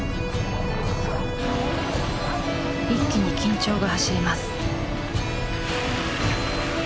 一気に緊張が走ります。